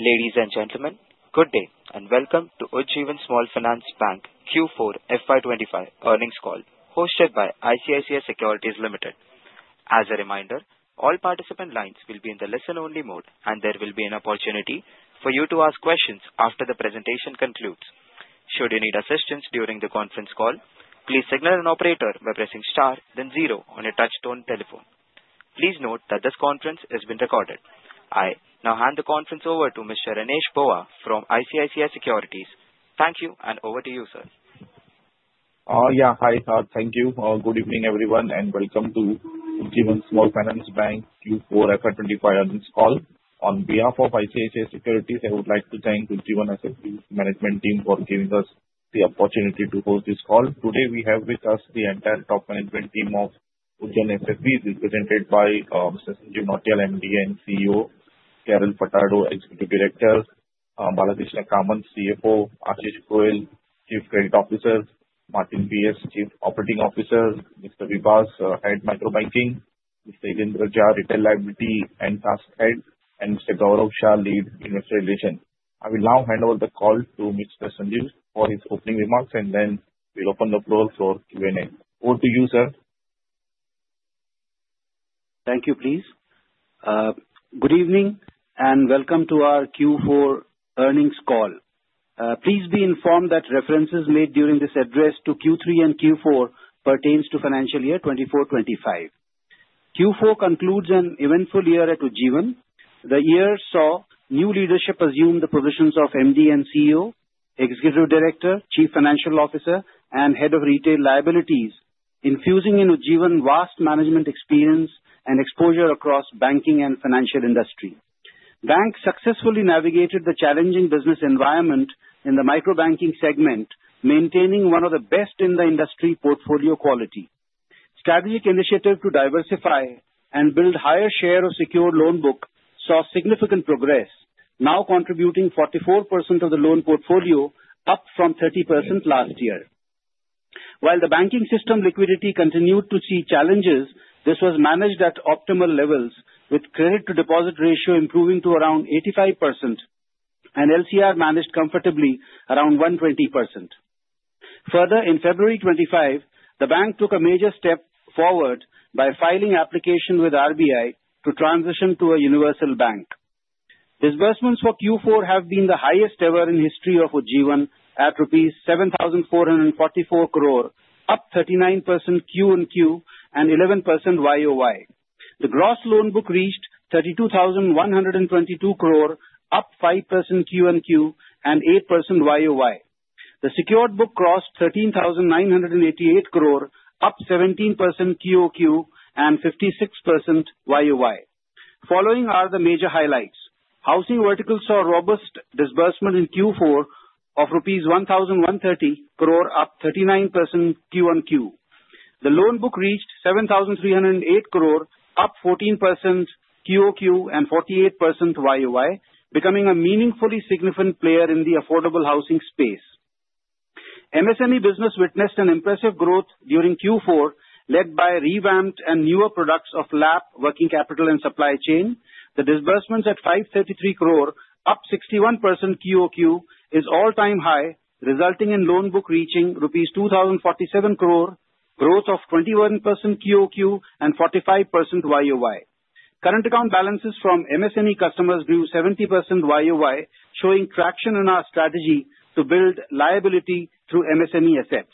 Ladies and gentlemen, good day and welcome to Ujjivan Small Finance Bank Q4FY25 earnings call hosted by ICICI Securities Limited. As a reminder, all participant lines will be in the listen only mode. There will be an opportunity for you to ask questions after the presentation concludes. Should you need assistance during the conference call, please signal an operator by pressing star then zero on a touch tone telephone. Please note that this conference has been recorded. I now hand the conference over to Mr. Ramesh Babu from ICICI Securities. Thank you. Over to you, sir. Yeah. Hi. Thank you. Good evening everyone and welcome to Ujjivan Small Finance Bank Q4FY25. On this call on behalf of ICICI Securities, I would like to thank Ujjivan management team for giving us the opportunity to host this call. Today we have with us the entire top management team of Ujjivan Small Finance Bank represented by Mr. Sanjeev Nautiyal, MD and CEO, Carol Furtado, Executive Director, Balakrishna Kamath, CFO Ashish Goel, Chief Credit Officer Martin P.S., Chief Operating Officer, Mr. Vibhas, Head, Micro Banking, Mr. Yendluri J, Retail Liabilities Head, and Mr. Gaurav Shah, Lead Industrialization. I will now hand over the call to Mr. Sanjeev for his opening remarks. Then we'll open the floor for Q and A. Over to you, sir. Thank you. Please. Good evening and welcome to our Q4 earnings call. Please be informed that references made during this address to Q3 and Q4 pertain to financial year 2024-2025. Q4 concludes an eventful year at Ujjivan Small Finance Bank. The year saw new leadership assume the positions of MD and CEO, Executive Director, Chief Financial Officer, and Head of Retail Liabilities.Infusing in Ujjivan vast management experience and exposure across banking and financial industry. Bank successfully navigated the challenging business environment in the micro banking segment. Maintaining one of the best in the industry portfolio quality. Strategic initiative to diversify and build higher share of secured loan book saw significant progress. Now contributing 44% of the loan portfolio, up from 30% last year. While the banking system liquidity continued to see challenges, this was managed at optimal levels with credit to deposit ratio improving to around 85% and LCR managed comfortably around 120%. Further, in February 2025 the bank took a major step forward by filing application with RBI to transition to a universal bank. Disbursements for Q4 have been the highest ever in history of Ujjivan at rupees 7,444 crore, up 39% Q&Q and 11% YoY. The gross loan book reached 32,122 crore, up five percent Q&Q and eight perecent YoY. The secured book crossed 13,988 crore, up 17% QoQ and 56% YoY. Following are the major highlights. Housing vertical saw robust disbursement in Q4 of rupees 1,130 crore, up 39% QoQ. The loan book reached 7,308 crore, up 14% QoQ and 48% YoY, becoming a meaningfully significant player in the affordable housing space. MSME business witnessed an impressive growth during Q4 led by revamped and newer products of LAP, working capital, and supply chain. The disbursements at 533 crore, up 61% QoQ, is all-time high, resulting in loan book reaching rupees 2,047 crore, growth of 21% QoQ and 45% YoY. Current account balances from MSME customers grew 70% YoY, showing traction in our strategy to build liability through MSME assets.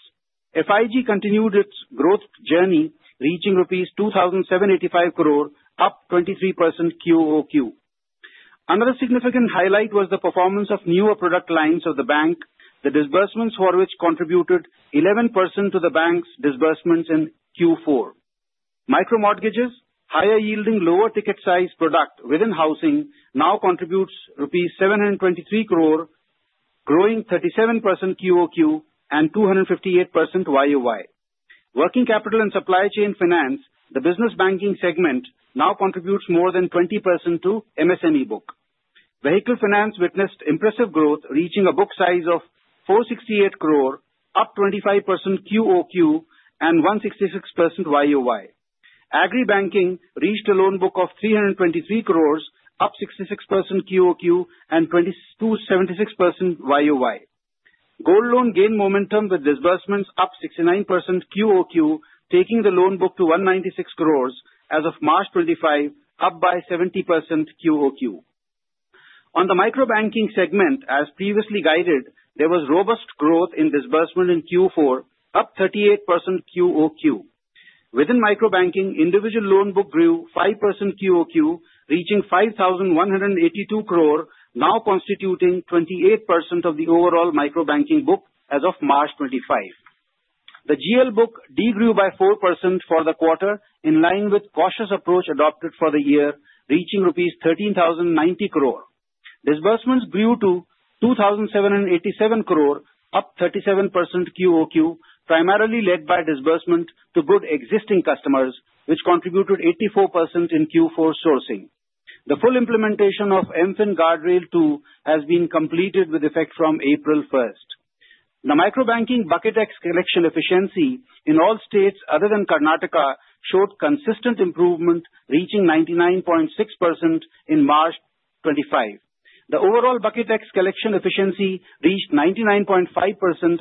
FIG continued its growth journey, reaching rupees 2,785 crore, up 23% QoQ. Another significant highlight was the performance of newer product lines of the bank, the disbursements for which contributed 11% to the bank's disbursements in Q4. Micro mortgages, higher yielding, lower ticket size product within housing, now contributes rupees 723 crore, growing 37% QoQ and 258% YoY. Working capital and supply chain finance, the business banking segment now contributes more than 20% to MSME book. Vehicle finance witnessed impressive growth, reaching a book size of 468 crore, up 25% QoQ and 166% YoY. Agri banking reached a loan book of 323 crore, up 66% QoQ and 22.76% YoY. Gold loan gained momentum with disbursements up 69% QoQ, taking the loan book to 196 crore as of March 25, up by 70% QoQ. On the micro banking segment, as previously guided, there was robust growth in disbursement in Q4, up 38% QoQ. Within micro banking individual loan book grew five percent QoQ reaching 5,182 crore now constituting 28% of the overall micro banking book as of March 2025. The GL book degrew by four percent for the quarter in line with cautious approach adopted for the year reaching rupees 13,090 crore. Disbursements grew to 2,787 crore up 37% QoQ primarily led by disbursement to good existing customers which contributed 84% in Q4 sourcing. The full implementation of MFIN Guardrail two has been completed with effect from April 1. The micro banking bucketX collection efficiency in all states other than Karnataka showed consistent improvement reaching 99.6% in March 2025. The overall bucketX collection efficiency reached 99.5%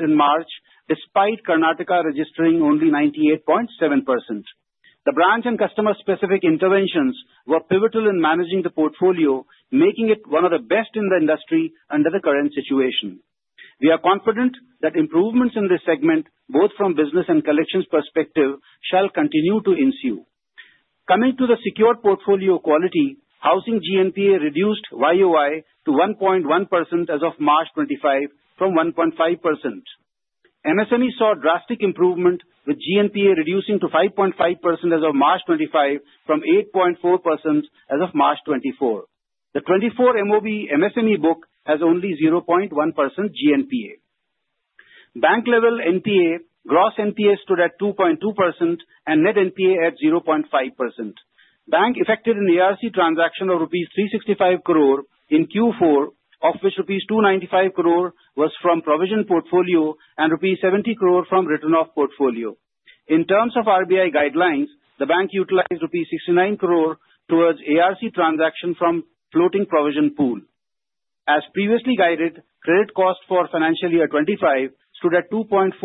in March despite Karnataka registering only 98.7%. The branch and customer specific interventions were pivotal in managing the portfolio making it one of the best in the industry. Under the current situation, we are confident that improvements in this segment both from business and collections perspective shall continue to ensue. Coming to the secured portfolio, quality housing GNPA reduced year-on-year to 1.1% as of March 2025 from 1.5%. MSME saw drastic improvement with GNPA reducing to 5.5% as of March 2025 from 8.4% as of March 2024. The 24-month MSME book has only 0.1% GNPA. Bank-level NPA, gross NPA stood at 2.2% and net NPA at 0.5%. Bank effected an ARC transaction of rupees 365 crore in Q4, of which rupees 295 crore was from provision portfolio and rupees 70 crore from written-off portfolio In terms of RBI guidelines, the bank utilized rupees 690 million towards ARC transaction from floating provision pool as previously guided. Credit cost for financial year 2025 stood at 2.45%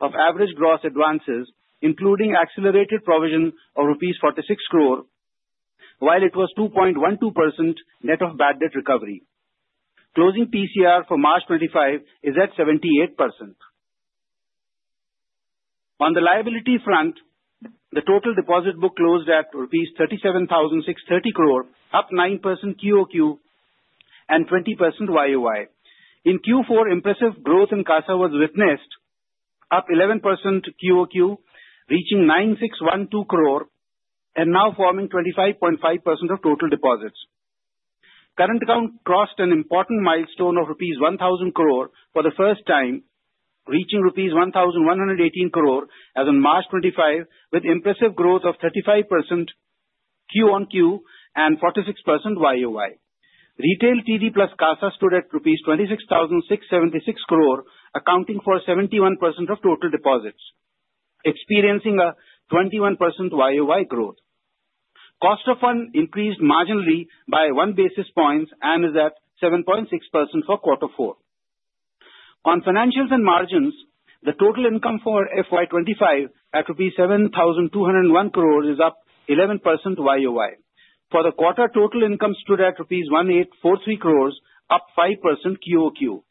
of average gross advances including accelerated provision of 460 million rupees, while it was 2.12% net of bad debt recovery. Closing PCR for March 2025 is at 78%. On the liability front, the total deposit book closed at rupees 37,630 crore, up nine percent quarter on quarter and 20% year on year in Q4. Impressive growth in CASA was witnessed, up 11% quarter on quarter, reaching 9,612 crore and now forming 25.5% of total deposits. Current account crossed an important milestone of rupees 1,000 crore for the first time, reaching rupees 1,118 crore as on March 25th, with impressive growth of 35% quarter on quarter and 46% year on year. Retail TD plus CASA stood at 26,676 crore accounting for 71% of total deposits, experiencing a 21% YoY growth. Cost of fund increased marginally by 1 basis points and is at 7.6% for Q4. On financials and margins, the total income for FY25 at 7,201 crore rupees is up 11% YoY. For the quarter, total income stood at rupees 1,843 crore, up 5% QoQ.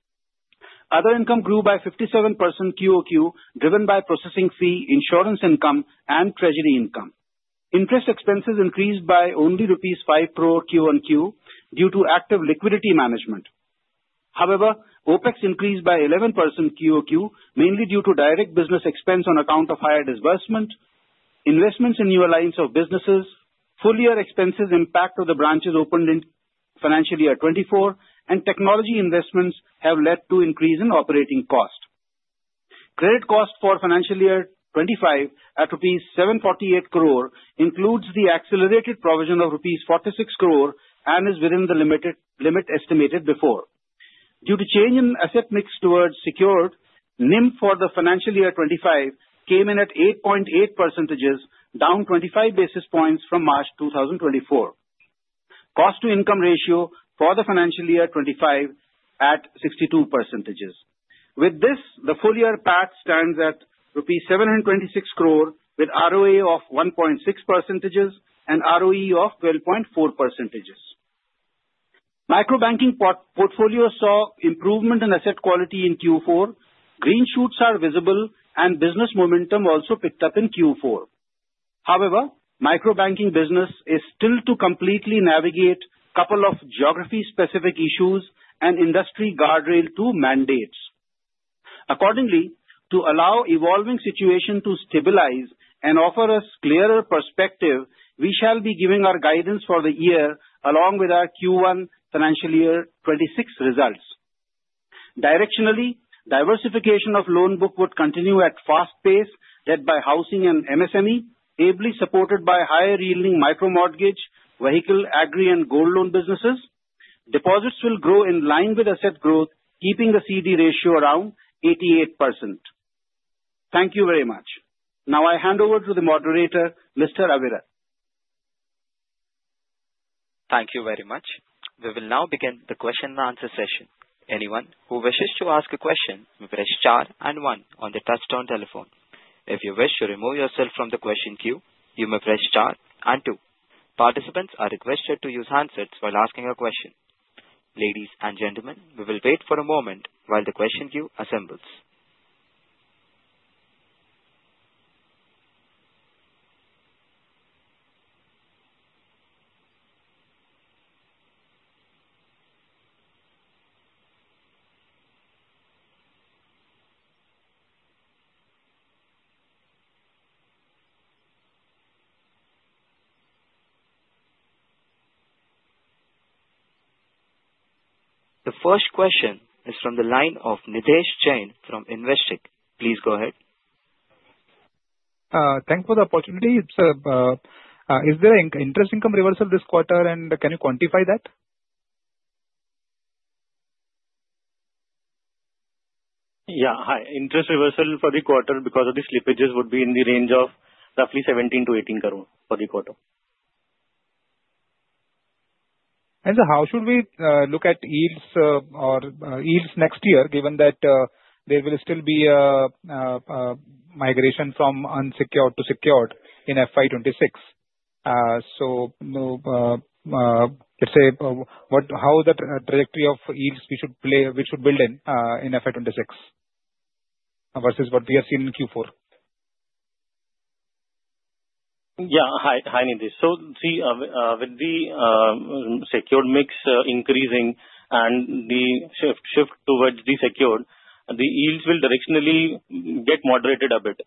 Other income grew by 57% QoQ, driven by processing fee, insurance income, and treasury income. Interest expenses increased by only rupees 5 crore QoQ due to active liquidity management. However, opEx increased by 11% QoQ mainly due to direct business expense on account of higher disbursement, investments in new alliance of businesses. Full year expenses, impact of the branches opened in financial year 2024, and technology investments have led to increase in operating cost. Credit cost for financial year 2025 at rupees 748 crore includes the accelerated provision of rupees 46 crore and is within the limit estimated before due to change in asset mix towards secured. NIM for the financial year 2025 came in at 8.8%, down 25 basis points from March 2024. Cost to income ratio for the financial year 2025 at 62%. With this the full year PAT stands at rupees 726 crore with ROA of 1.6% and ROE of 12.4%. Micro banking portfolio saw improvement in asset quality in Q4. Green shoots are visible and business momentum also picked up in Q4. However, micro banking business is still to completely navigate couple of geography specific issues and Industry Guardrail 2 mandates. Accordingly, to allow the evolving situation to stabilize and offer us a clearer perspective, we shall be giving our guidance for the year along with our Q1 financial year 2026 results. Directionally, diversification of loan book would continue at a fast pace led by housing and MSME, ably supported by higher yielding micro mortgage, vehicle, agri, and gold loan businesses. Deposits will grow in line with asset growth, keeping the CD ratio around 88%. Thank you very much. Now I hand over to the moderator, Mr. Avira. Thank you very much. We will now begin the question and answer session. Anyone who wishes to ask a question may press star and one on the touch-tone telephone. If you wish to remove yourself from the question queue, you may press star and two. Participants are requested to use handsets while asking a question. Ladies and gentlemen, we will wait for a moment while the question queue assembles. The first question is from the line of Nidhesh Jain from Investec. Please go ahead. Thanks for the opportunity. Is there an interest income reversal this quarter and can you quantify that? Yeah. Hi. Interest reversal for the quarter because of the slippages would be in the range of roughly 17 crore-18 crore for the quarter. How should we look at yields or yields next year given that there will still be migration from unsecured to secured in FY 2026. Let's say how the trajectory of yields we should play. We should build in in FY 2026 versus what we have seen in Q4. Yes. Hi Nidhi. With the secured mix increasing and the shift towards the secured the yields will directionally get moderated a bit.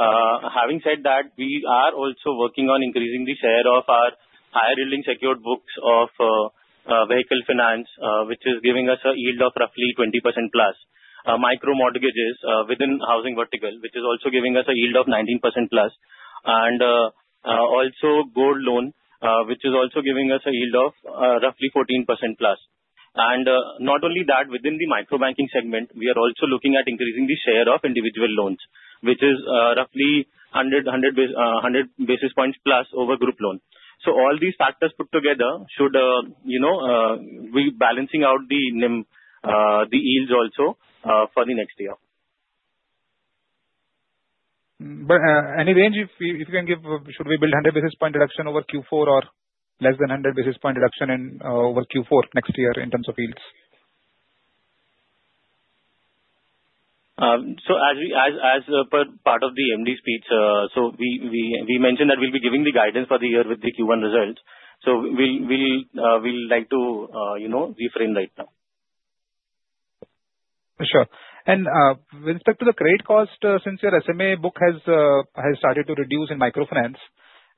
Having said that we are also working on increasing the share of our higher yielding secured books of vehicle finance which is giving us a yield of roughly 20% plus. Micro mortgages within housing vertical which is also giving us a yield of 19% plus and also gold loan which is also giving us a yield of roughly 14% plus. Not only that within the micro banking segment we are also looking at increasing the share of individual loans which is roughly 100 basis points plus over group loan. All these factors put together should be balancing out the NIM the yields also for the next year. Any range if you can give should we build 100 basis point reduction over Q4 or less than 100 basis point reduction in over Q4 next year in terms of yields. As part of the MD speech, we mentioned that we'll be giving the guidance for the year with the Q1 result, but we'll like to reframe right now. Sure. With respect to the credit cost, since your SMA book has started to reduce in microfinance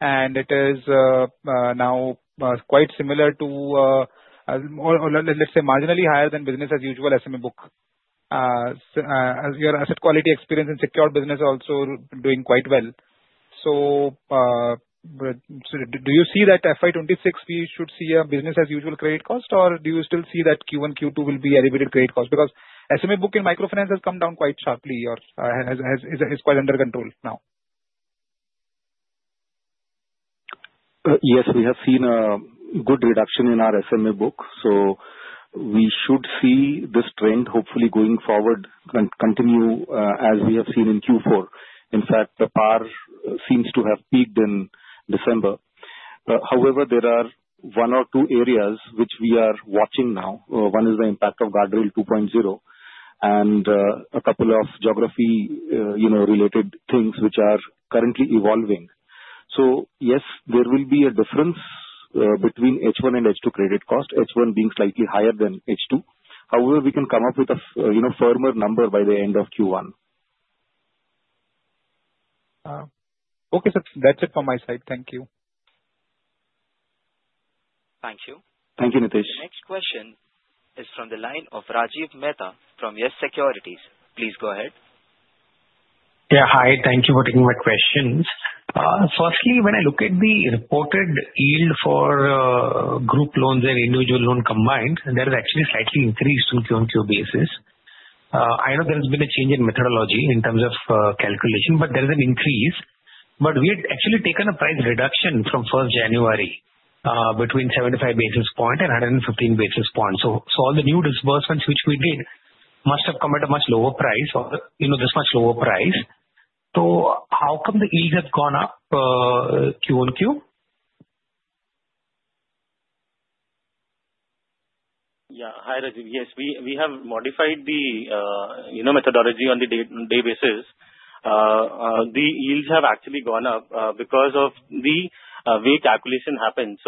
and it is now quite similar to, let's say, marginally higher than business as usual SMA book, your asset quality experience and secured business also doing quite well. Do you see that FY 2026 we should see a business as usual credit cost, or do you still see that Q1-Q2 will be elevated credit cost because SMA book in microfinance has come down quite sharply or is quite under control now? Yes, we have seen a good reduction in our SMA book, so we should see this trend hopefully going forward continue as we have seen in Q4. In fact, the PAR seems to have peaked in December. However, there are one or two areas which we are watching now. One is the impact of Guardrail 2.0 and a couple of geography related things which are currently evolving. Yes, there will be a difference between H1 and H2. Credit cost H1 being slightly higher than H2. However, we can come up with a firmer number by the end of Q1. Okay, that's it for my side. Thank you. Thank you. Thank you. Nitesh. Next question is from the line of Rajiv Mehta from Yes Securities. Please go ahead. Yeah. Hi. Thank you for taking my questions. Firstly, when I look at the reported yield for group loans and individual loan combined, that is actually slightly increased on Q-on-Q basis. I know there has been a change in methodology in terms of calculation. There is an increase. We had actually taken a price reduction from the 1st of January between 75 basis points and 115 basis points. All the new disbursements which we did must have come at a much lower price, or, you know, this much lower price. How come the yield have gone up Q-on-Q? Yeah. Hi, Rajiv. Yes, we have modified the methodology on the day basis. The yields have actually gone up because of the way calculation happened.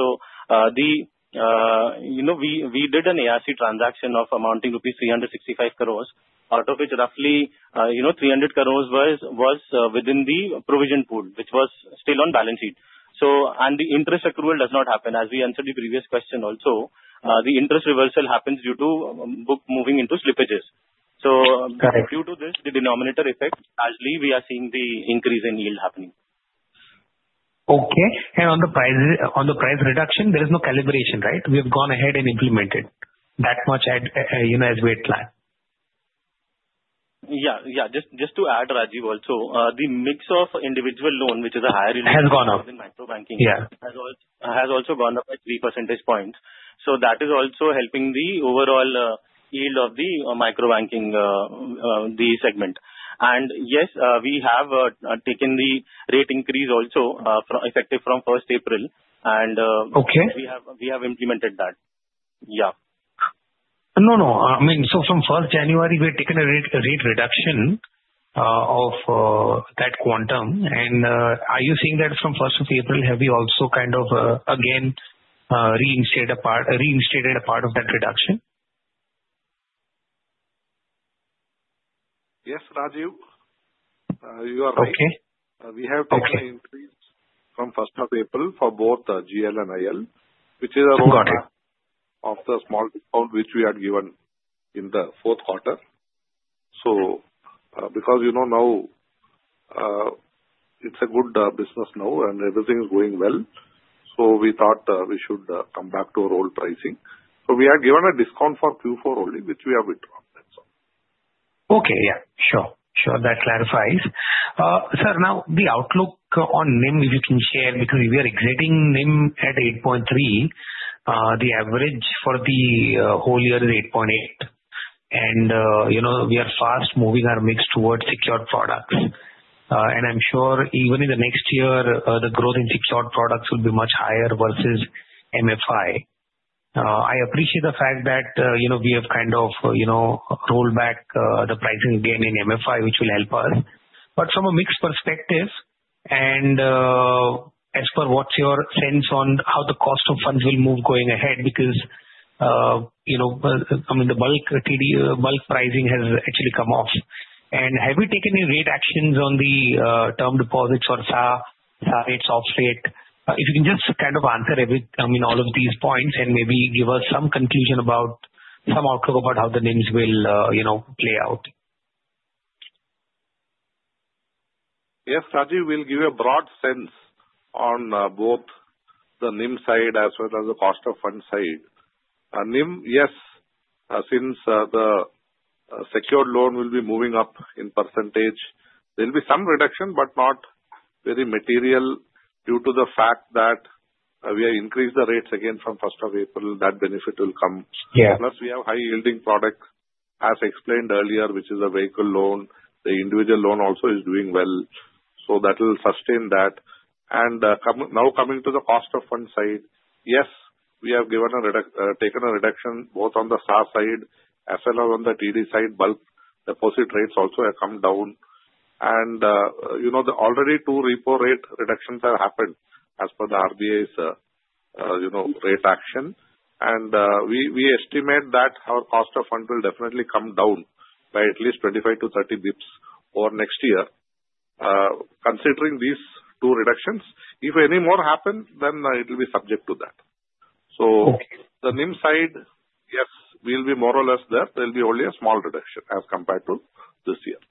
We did an ARC transaction amounting to rupees 365 crore, out of which roughly 300 crore was within the provision pool which was still on balance sheet. The interest accrual does not happen. As we answered the previous question, also the interest reversal happens due to book moving into slippages. Due to this, the denominator effect largely, we are seeing the increase in yield happening. On the price, on the price reduction, there is no calibration. We have gone ahead and implemented that much as we had planned. Just to add, Rajiv, also the mix of individual loan, which is higher, has gone up. Has also gone up by three percentage points. That is also helping the overall yield of the micro banking segment. Yes, we have taken the rate increase also effective from the 1st of April. We have implemented that. I mean. From the 1st of January we've taken a rate reduction of that quantum. Are you seeing that from 1st of April have we also kind of again reinstated a part, reinstated a part of that reduction? Yes, Rajiv, you are right. We have taken increase from 1st of April for both GL and IL which is a of the small which we had given in the fourth quarter. Because you know, now it's a good business now and everything is going well. We thought we should come back to our old pricing. We had given a discount for Q4 only which we have withdrawn. That's all okay, yeah, sure, sure. That clarifies sir. Now the outlook on NIM if you can share because if you are exiting NIM at 8.3% the average for the whole year is 8.8%. You know we are fast moving our mix towards secured products and I'm sure even in the next year the growth in secured products will be much higher versus MFI. I appreciate the fact that you know we have kind of, you know, rolled back the pricing again in MFI which will help us but from a mix perspective. As for what's your sense on how the cost of funds will move going ahead because you know, I mean the bulk TD bulk pricing has actually come off and have you taken any rate actions on the term deposits or SAF off state? If you can just kind of answer every, I mean all of these points and maybe give us some conclusion about, some outlook about how the NIMs will, you know, play out. Yes Rajiv, we'll give you a broad sense on both the NIM side as well as the cost of fund side. NIM, yes, since the secured loan will be moving up in percentage there will be some reduction but not very material due to the fact that we have increased the rates again from 1st of April. That benefit will come. Plus we have high yielding products as explained earlier, which is a vehicle loan. The individual loan also is doing well so that will sustain that. Now coming to the cost of fund side, yes, we have given a taken a reduction both on the side as well as on the TD side. Bulk deposit rates also have come down. You know, already two repo rate reductions have happened as per the RBI's, you know, rate action. We estimate that our cost of fund will definitely come down by at least 25 to 30 basis points over next year considering these two reductions. If any more happen then it will be subject to that. On the NIM side, yes, we will be more or less there. There will be only a small reduction as compared to this year.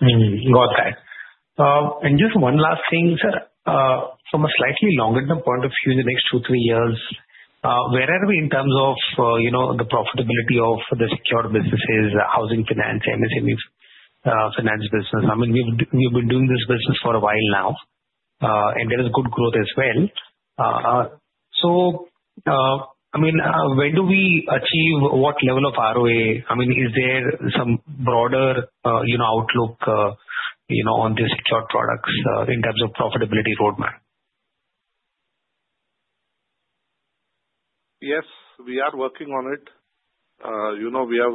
Got that. Just one last thing sir, from a slightly longer term point of view, in the next two, three years where are we in terms of, you know, the profitability of the secured businesses, housing finance, MSME finance business. I mean, we have been doing this business for a while now and there is good growth as well. I mean, when do we achieve what level of ROA? I mean, is there some broader, you know, outlook, you know, on the secured products in terms of profitability roadmap? Yes, we are working on it. You know we have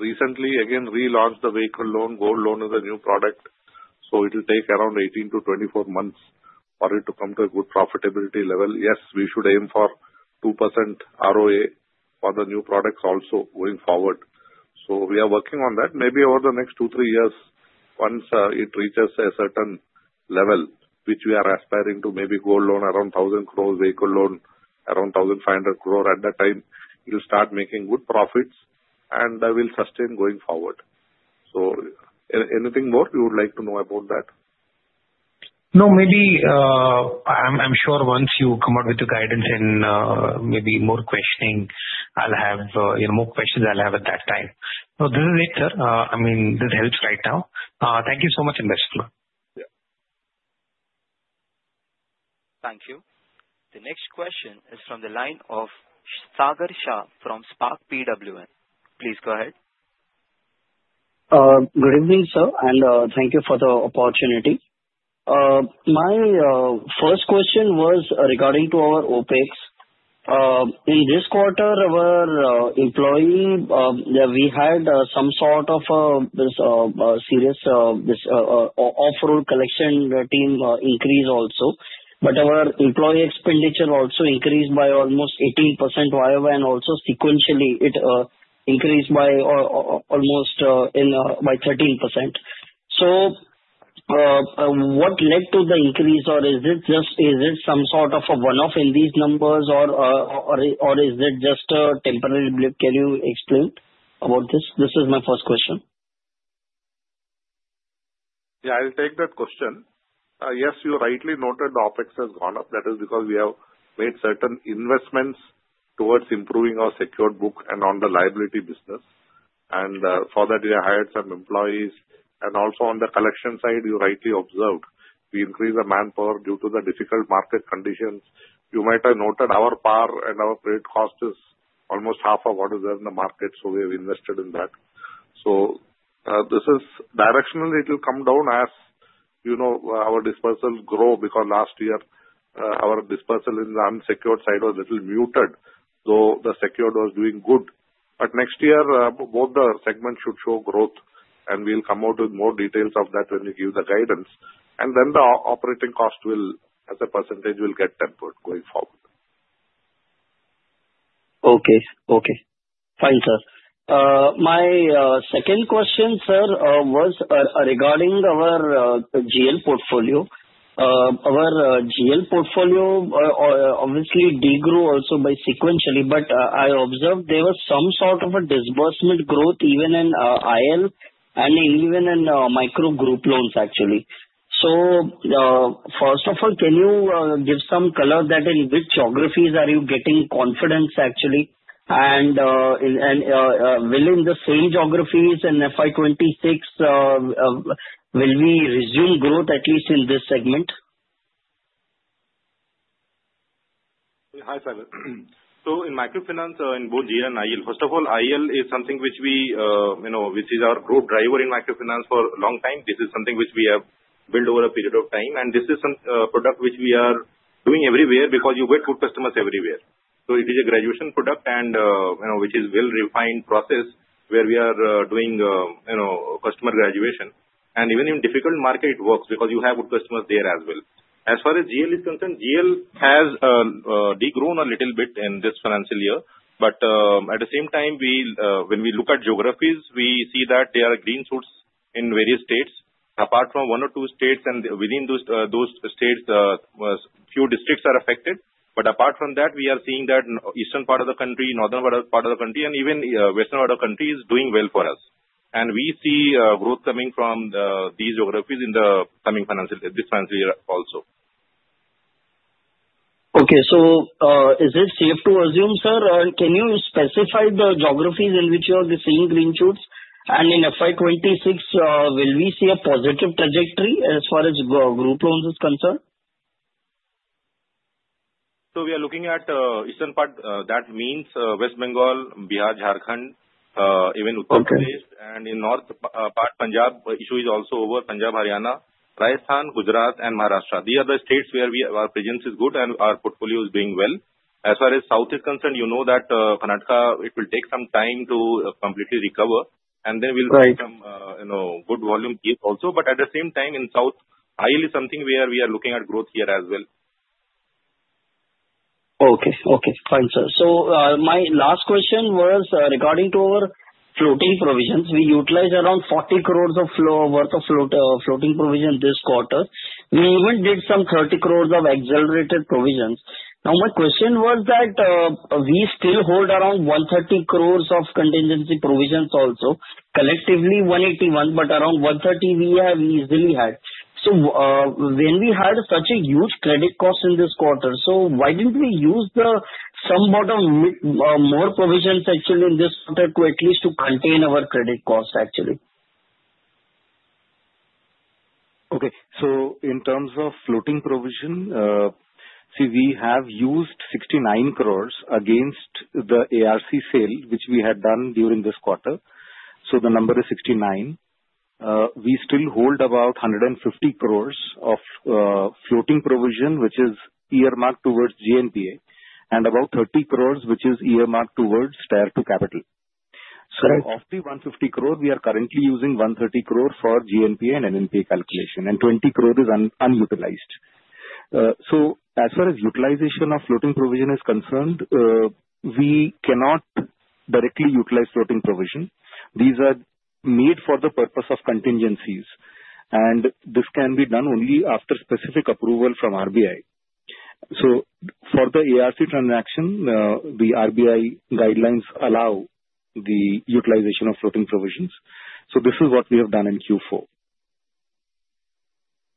recently again relaunched the vehicle loan. Gold loan is a new product. It will take around 18-24 months for it to come to a good profitability level. Yes, we should aim for two percent ROA for the new products also going forward. We are working on that maybe over the next two, three years once it reaches a certain level which we are aspiring to, maybe gold loan around 1,000 crore, vehicle loan around 1,500 crore. At that time we will start making good profits and will sustain going forward. Anything more you would like to know about that? No. Maybe. I'm sure once you come out with the guidance and maybe more questioning I'll have, you know, more questions I'll have at that time. This is it sir. I mean this helps right now. Thank you so much investor. Thank you. The next question is from the line of Sagar Shah from Spark. Please go ahead. Good evening sir and thank you for the opportunity. My first question was regarding our OpEx in this quarter. We had some sort of serious off road collection team increase also. Our employee expenditure also increased by almost 18%. Also, sequentially it increased by almost 13%. What led to the increase? Is this just some sort of a one-off in these numbers or is it just a temporary blip? Can you explain about this? This is my first question. Yeah, I'll take that question. Yes, you rightly noted the OpEx has gone up. That is because we have made certain investments towards improving our secured book and on the liability business. For that we hired some employees. Also, on the collection side, you rightly observed we increased the manpower due to the difficult market conditions. You might have noted our power and our credit cost is almost half of what is there in the market. We have invested in that. This is directionally it will come down. As you know, our dispersal grew because last year our dispersal in the unsecured side was a little muted, though the secured was doing good. Next year both the segments should show growth. We will come out with more details of that when we give the guidance. The operating cost as a percentage will get tempered going forward. Okay. Okay, fine sir. My second question sir was regarding our GL portfolio. Our GL portfolio obviously degrew also by sequentially.I observed there was some sort of a disbursement growth even in IL and even in micro group loans actually. First of all, can you give some color that in which geographies are you getting confidence actually and within the same geographies in FY26 will we resume growth at least in this segment? Hi Sagar. In microfinance in both group loans and IL, first of all, IL is something which we, you know, which is our growth driver in microfinance for a long time. This is something which we have built over a period of time. This is a product which we are doing everywhere because you get good customers everywhere. It is a graduation product, and you know, which is a well-refined process where we are doing customer graduation. Even in difficult markets it works because you have good customers there as well. As far as GL is concerned, GL has degrown a little bit in this financial year. At the same time, when we look at geographies, we see that there are green shoots in various states apart from one or two states. Within those states, few districts are affected. Apart from that, we are seeing that eastern part of the country, northern part of the country, and even western part of the country is doing well for us. We see growth coming from these geographies in the coming financial year also. Okay, so is this safe to assume? Sir, can you specify the geographies in which you are seeing green shoots? In FY26, will we see a positive trajectory as far as group loans is concerned? We are looking at eastern part. That means West Bengal, Bihar, Jharkhand even and in north part Punjab. Issue is also over Punjab, Haryana, Rajasthan, Gujarat and Maharashtra. These are the states where our presence is good and our portfolio is doing well. As far as south is concerned, you know that Karnataka, it will take some time to completely recover and then we'll become, you know, good volume also. At the same time in South, it is something where we are looking at growth here as well. Okay. Okay. Fine sir. My last question was regarding our floating provisions. We utilized around 40 crore worth of floating provision. This quarter we even did some 30 crore of accelerated provisions. My question was that we still hold around 130 crore of contingency provisions also, collectively 181 crore. Around 130 crore we have easily had. When we had such a huge credit cost in this quarter, why did not we use some more provisions actually in this quarter to at least contain our credit cost, actually? In terms of floating provision, we have used 69 crore against the ARC sale which we had done during this quarter. The number is 69 crore. We still hold about 150 crore of floating provision which is earmarked towards GNPA and about 30 crore which is earmarked towards tier two capital. Of the 150 crore, we are currently using 130 crore for GNPA and NNPA calculation and 20 crore is unutilized. As far as utilization of floating provision is concerned, we cannot directly utilize floating provision. These are made for the purpose of contingencies and this can be done only after specific approval from RBI. For the ARC transaction the RBI guidelines allow the utilization of floating provisions. This is what we have done in Q4.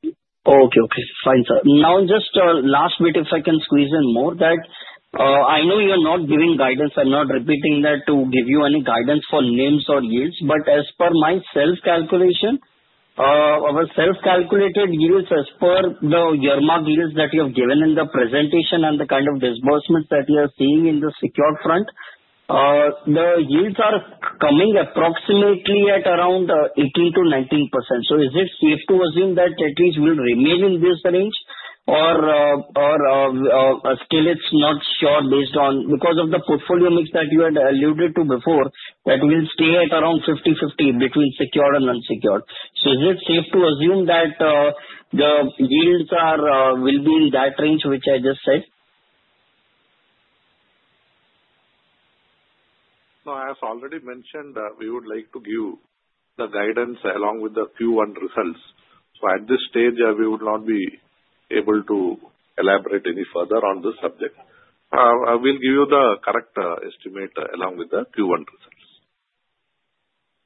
Okay? Okay, fine sir. Now just last bit if I can squeeze in more that I know you're not giving guidance, I'm not repeating that to give you any guidance for names or yields but as per my self calculation, our self calculated yields as per the yerma yields that you have given in the presentation and the kind of disbursements that you are seeing in the secured front, the yields are coming approximately at around 18-19%. Is it safe to assume that at least will remain in this range or still it's not short based on because of the portfolio mix that you had alluded to before that we'll stay at around 50-50 between secured and unsec. Is it safe to assume that the yields are will be in that range which I just said? No. As already mentioned, we would like to give the guidance along with the Q1 results. At this stage, we would not be able to elaborate any further on this subject. We will give you the correct estimate along with the Q1 results.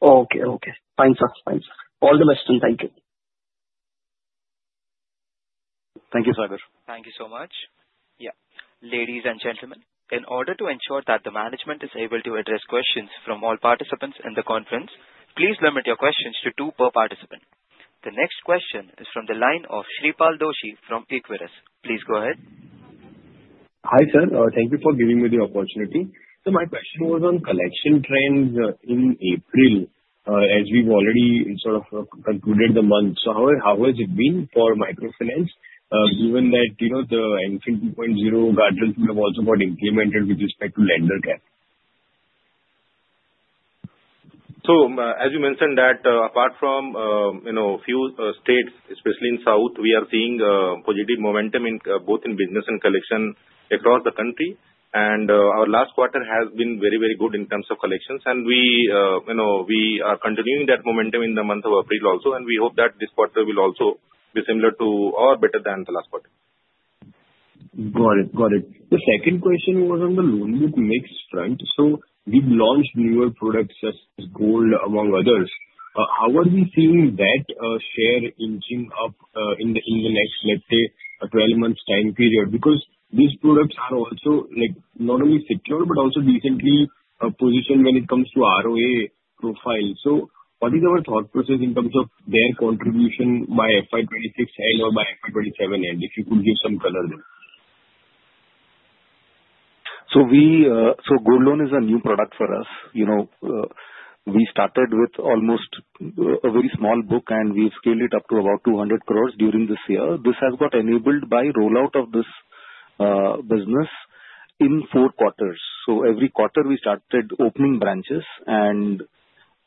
Okay? Okay, fine sir. All the best and thank you. Thank you Sagar. Thank you so much. Ladies and gentlemen, in order to ensure that the management is able to address questions from all participants in the conference, please limit your questions to two per participant. The next question is from the line of Shreepal Doshi from Equirus. Please go ahead. Hi sir. Thank you for giving me the opportunity.My question was on collection trends in April as we've already sort of concluded the month. How has it been for microfinance given that the MFIN 2.0 guardrail could have also got implemented with respect to lender cap? As you mentioned that apart from a few states, especially in the south, we are seeing positive momentum both in business and collection across the country. Our last quarter has been very, very good in terms of collections and we are continuing that momentum in the month of April also. We hope that this quarter will also be similar to or better than the last quarter. Got it. Got it. The second question was on the loan book mix front. We've launched newer products such as Gold among others. How are we seeing that share inching up in the next, let's say, 12 months time period? Because these products are also not only secure but also decently positioned when it comes to ROA profile. What is our thought process in terms of their contribution by FY2026 end or by FY2027 end? If you could give some color there. Gold Loan is a new product for us. You know we started with almost a very small book and we have scaled it up to about 200 crore during this year. This has got enabled by rollout of this business in four quarters. Every quarter we started opening branches and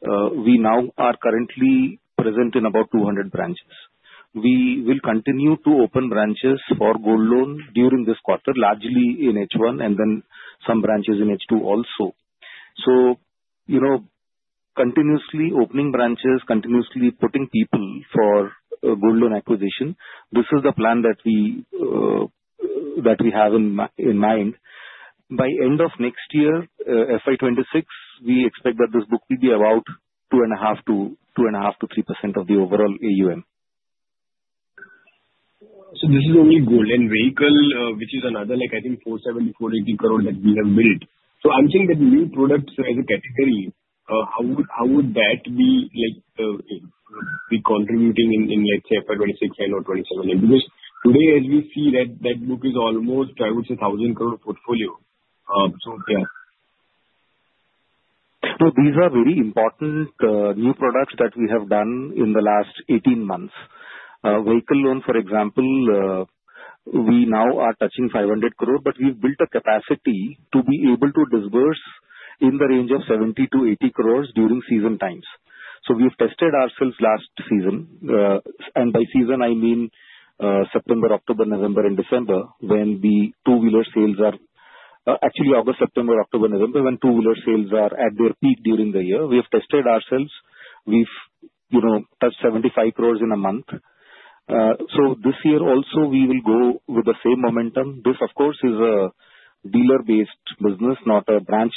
we now are currently present in about 200 branches. We will continue to open branches for Gold Loan during this quarter largely in H1 and then some branches in H2 also. You know, continuously opening branches, continuously putting people for Gold Loan acquisition. This is the plan that we have in mind. By end of next year FY2026, we expect that this book will be about 2.5%-3% of the overall AUM. This is only Gold and vehicle, which is another like, I think, 470 crore-480 crore that we have built. I am saying that new products as a category, how would that be contributing in, let's say, FY2026 or 2027? Because today as we see, that book is almost, I would say, 1,000 crore portfolio. These are very important new products that we have done in the last 18 months. Vehicle loan, for example, we now are touching 500 crore. We have built a capacity to be able to disburse in the range of 70 crore-80 crore during season times. We have tested ourselves last season and by season I mean September, October, November and December when the two wheeler sales are actually August, September, October, November when two wheeler sales are at their peak. During the year we have tested ourselves, we have touched 75 crore in a month. This year also we will go with the same momentum. This of course is a dealer based business, not a branch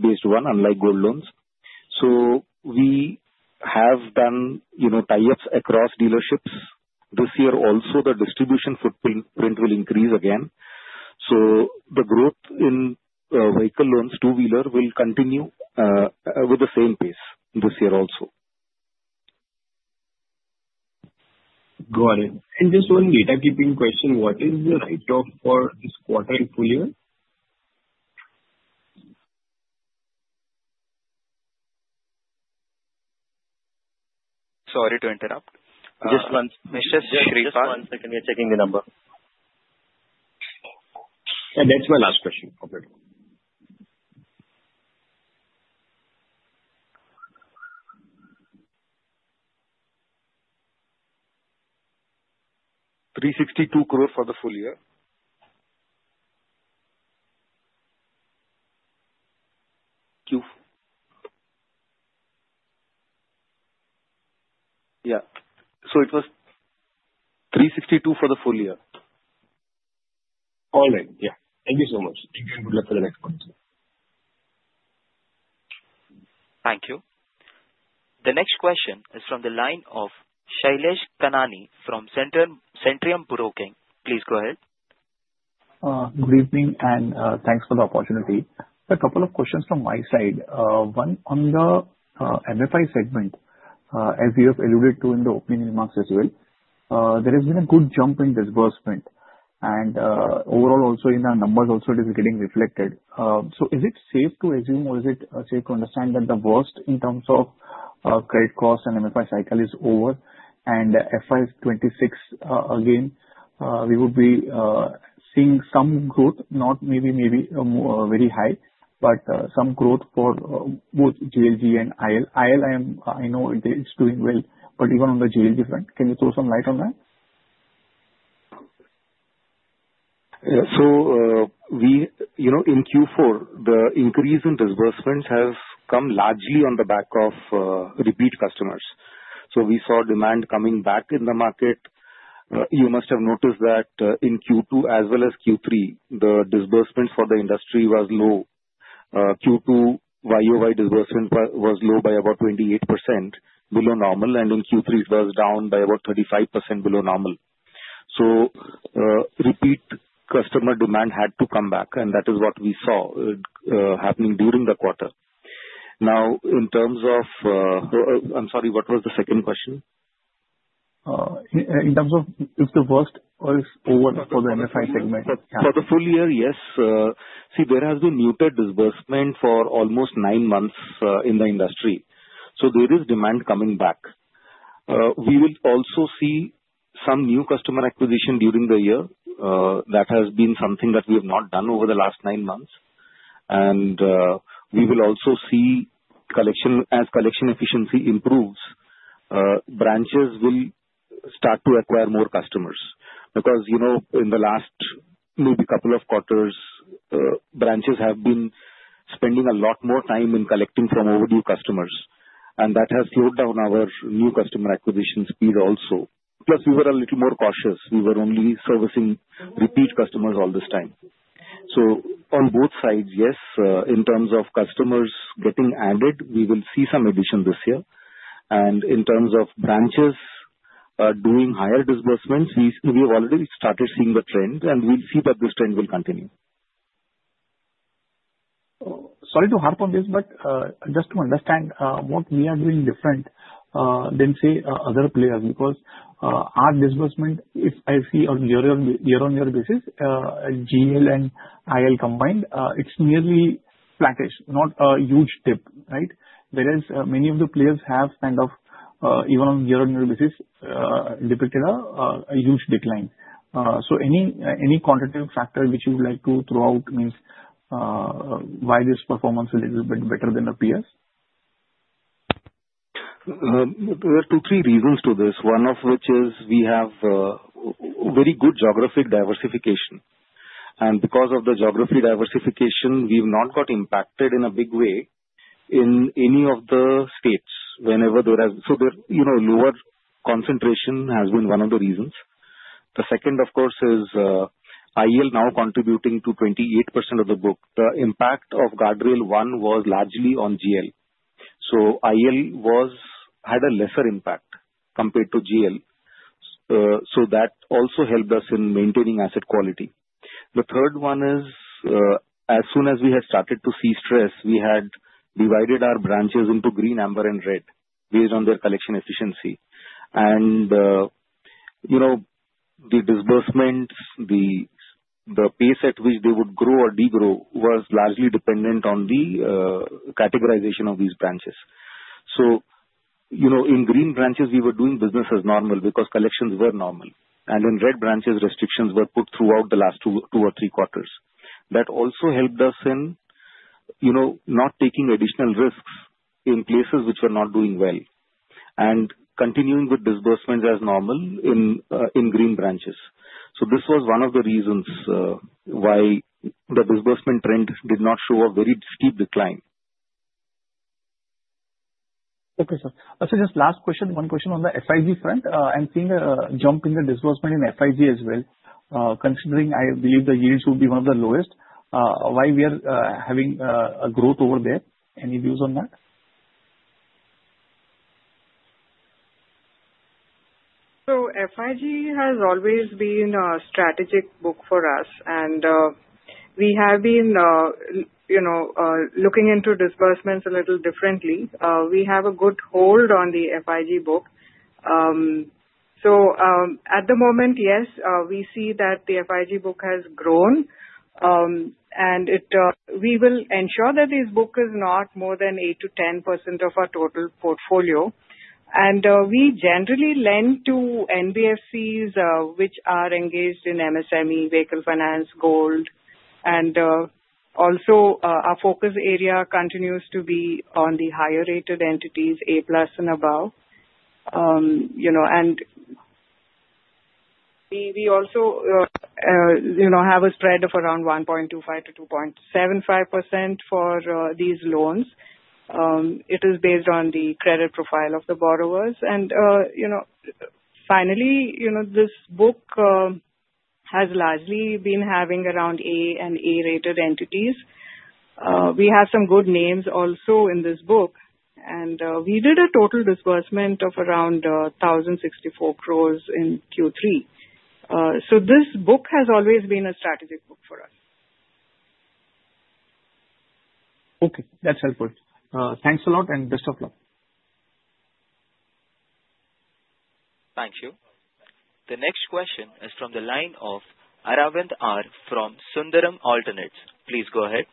based one unlike Gold Loans. We have done tie ups across dealerships. This year also the distribution footprint will increase again. The growth in vehicle loans two wheeler will continue with the same pace this year also. Got it. Just one data keeping question. What is the write off for this quarter and two year? Sorry to interrupt just once again we are checking the number. That is my last question. 362 crore for the full year. Q. Yeah. So it was 362 crore for the full year. All right. Yeah. Thank you so much. Thank you. Thank you and good luck for the next. Thank you. The next question is from the line of Shailesh Kanani from Centrum Broking. Please go ahead. Good evening and thanks for the opportunity. A couple of questions from my side. One on the MFI segment, as you have alluded to in the opening remarks as well, there has been a good jump in disbursement and overall also in our numbers also it is getting reflected. Is it safe to assume or is it safe to understand that the worst in terms of credit cost and MFI cycle is over and FY 2026 again we would be seeing some growth, not maybe, maybe very high, but some growth for both GLG and IL. I know it's doing well, but even on the GLG front, can you throw some light on that? Yeah. We, you know, in Q4 the increase in disbursements has come largely on the back of repeat customers. We saw demand coming back in the market. You must have noticed that in Q2 as well as Q3, the disbursements for the industry was low. Q2 YoY disbursement was low by about 28% below normal. In Q3 it was down by about 35% below normal. Repeat customer demand had to come back and that is what we saw happening during the quarter. Now, in terms of, I'm sorry, what was the second question in terms of if the worst or is over for the MFI segment for the full year? Yes. There has been muted disbursement for almost nine months in the industry. There is demand coming back. We will also see some new customer acquisition during the year. That has been something that we have not done over the last nine months. We will also see collection as collection efficiency improves, branches will start to acquire more customers because, you know, in the last maybe couple of quarters, branches have been spending a lot more time in collecting some overdue customers and that has slowed down our new customer acquisition speed also. Plus we were a little more cautious. We were only servicing repeat customers all this time. On both sides, yes, in terms of customers getting added, we will see some addition this year. In terms of branches doing higher disbursements, we have already started seeing the trend and we see that this trend will continue. Sorry to harp on this, but just to understand what we are doing different than, say, other players. Because our disbursement, if I see on year-on-year basis, GL and IL combined, it's nearly flattish, not a huge dip, right? Whereas many of the players have kind of even on year-on-year basis depicted a huge decline. Any quantitative factor which you would like to throw out means why this performance is a little bit better than the peers. There are two or three reasons to this. One of which is we have very good geographic diversification. Because of the geography diversification, we've not got impacted in a big way in any of the states whenever there are. Lower concentration has been one of the reasons. The second, of course, is IL now contributing to 28% of the book. The impact of Guardrail 1 was largely on GL. So IL was, had a lesser impact compared to GL. So that also helped us in maintaining asset quality. The third one is as soon as we had started to see stress, we had divided our branches into green, amber and red based on their collection efficiency and, you know, the disbursements, the pace at which they would grow or degrow was largely dependent on the categorization of these branches. You know, in green branches we were doing business as normal because collections were normal. In red branches, restrictions were put throughout the last two or three quarters. That also helped us in, you know, not taking additional risks in places which are not doing well and continuing with disbursements as normal in green branches. This was one of the reasons why the disbursement trend did not show a very steep decline. Okay, sir, just last question, one question. On the FIG front, I'm seeing a jump in the disbursement in FIG as well, considering I believe the yields would be one of the lowest. Why are we having a growth over there? Any views on that? FIG has always been a strategic book for us and we have been, you know, looking into disbursements a little differently. We have a good hold on the FIG book. At the moment, yes, we see that the FIG book has grown and we will ensure that this book is not more than 8-10% of our total portfolio. We generally lend to NBFCs which are engaged in MSME, vehicle finance, gold. Our focus area continues to be on the higher rated entities, A plus and above, you know, and we also have a spread of around 1.25-2.75% for these loans. It is based on the credit profile of the borrowers. You know, finally, you know, this book has largely been having around A and A rated entities. We have some good names also in this book. And we did a total disbursement of around 1,064 crore in Q3. This book has always been a strategic book for us. Okay, that's helpful. Thanks a lot and best of. Thank you. The next question is from the line of Aravind R from Sundaram Alternates. Please go ahead.